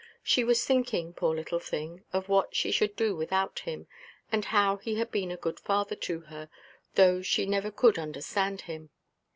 She was thinking, poor little thing, of what she should do without him, and how he had been a good father to her, though she never could understand him.